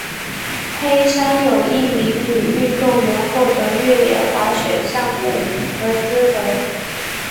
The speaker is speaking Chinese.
黑山有一名女运动员获得越野滑雪项目的资格。